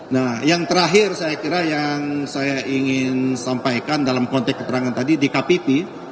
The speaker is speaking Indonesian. nah yang terakhir saya kira yang saya ingin sampaikan dalam konteks keterangan tadi dkpp